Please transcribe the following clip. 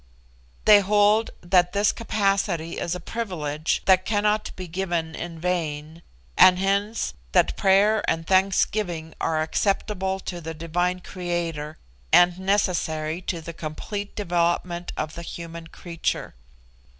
They hold that this capacity is a privilege that cannot have been given in vain, and hence that prayer and thanksgiving are acceptable to the divine Creator, and necessary to the complete development of the human creature.